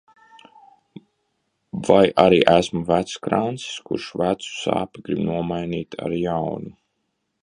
Vai arī esmu vecs krancis, kurš vecu sāpi grib nomainīt ar jaunu?